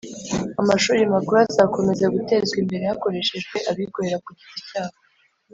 amashuri makuru azakomeza gutezwa imbere kakoreshejwe abikorera ku giti cyabo